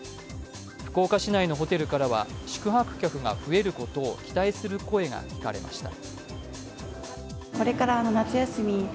福岡市内のホテルからは、宿泊客が増えることを期待する声が聞かれました。